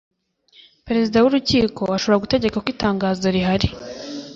perezida w urukiko ashobora gutegeka ko itangazo rihari